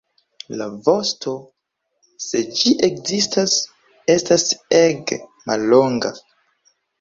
La vosto, se ĝi ekzistas, estas ege mallonga.